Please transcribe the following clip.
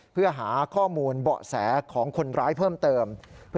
เพื่อหาข้อมูลเบาะแสของคนร้ายเพิ่มเติม